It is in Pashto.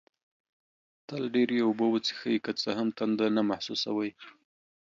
تل ډېري اوبه وڅېښئ، که څه هم تنده نه محسوسوئ